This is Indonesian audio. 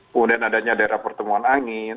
kemudian adanya daerah pertemuan angin